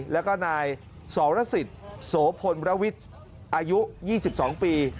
แล้วก็นายสรสิทธิ์โสพลระวิทย์อายุ๒๒ปี